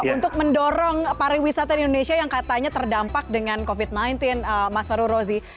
untuk mendorong pariwisata di indonesia yang katanya terdampak dengan covid sembilan belas mas farul rozi